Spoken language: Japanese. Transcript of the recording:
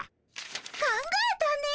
考えたね。